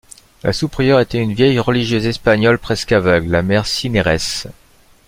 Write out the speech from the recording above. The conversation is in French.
La sous-prieure était une vieille religieuse espagnole presque aveugle, la mère Cineres.